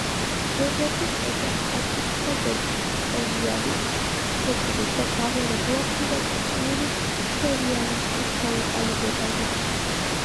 ვებერნი წერდა მკაცრი თორმეტ-ტონიანი მეთოდით და გავლენა მოახდინა ტოტალური სერიალიზმის ჩამოყალიბებაზე.